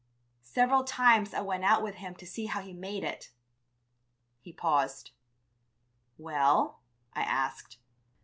Several times I went out with him to see how he made it...." He paused. "Well?" I asked.